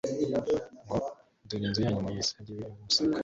ngo : "Dore inzu yanyu muyisigiwe ari umusaka.